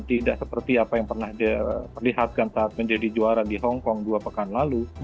tidak seperti apa yang pernah dia perlihatkan saat menjadi juara di hongkong dua pekan lalu